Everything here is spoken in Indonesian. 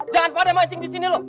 jangan pada mancing disini lo